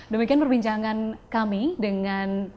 demikian perbincangan kami dengan